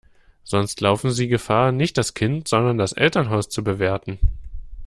Sonst laufen sie Gefahr, nicht das Kind, sondern das Elternhaus zu bewerten.